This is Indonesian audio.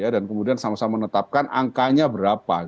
dan kemudian sama sama menetapkan angkanya berapa